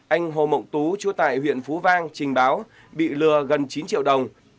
anh hồ mộng tú chú tại huyện phú vang trình báo bị lừa gần chín triệu đồng